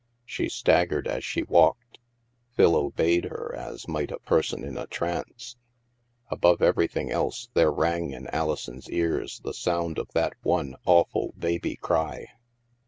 She staggered as she walked. Phil obeyed her as might a person in a trance. Above everything else there rang in Alison's ears the sound of that one awful baby cry.